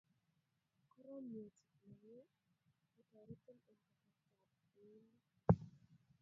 koromiet nengung ko taretin eng kasrta ab uindo